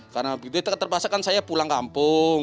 karena begitu terpaksa kan saya pulang kampung